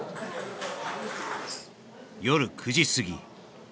夜９時すぎ